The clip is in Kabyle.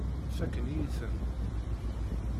Fakken-iyi-ten.